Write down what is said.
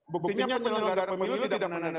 buktinya penyelenggara pemilu tidak menandatangani